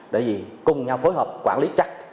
để cùng nhau phối hợp quản lý chắc